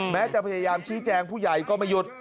แม้จะพยายามชี้แจงผู้ใหญ่ก็ไม่หยุด